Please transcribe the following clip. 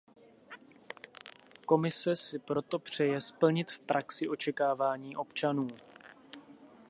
Komise si proto přeje splnit v praxi očekávání občanů.